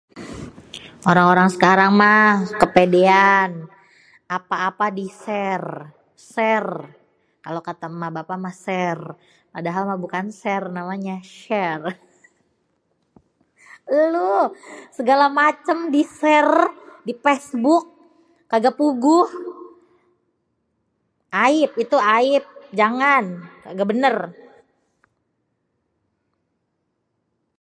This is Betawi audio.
Orang-orang sekarang mah kepedean. Apa-apa disér, sér, kalo kata emak bapak mah sér. Padahal mah bukan sér namanya share. Elu segala macem disér di Facebook kagak puguh. Aib itu aib jangan, kagak bener.